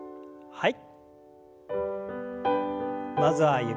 はい。